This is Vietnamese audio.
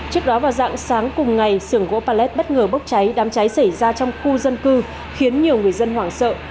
trước đó vào dạng sáng cùng ngày sườn gỗ pallet bất ngờ bốc cháy đám cháy xảy ra trong khu dân cư khiến nhiều người dân hoảng sợ